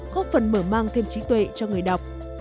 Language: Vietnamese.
góp phần mở mang thêm trí tuệ cho người đọc